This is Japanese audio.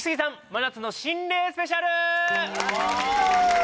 真夏の心霊スペシャル！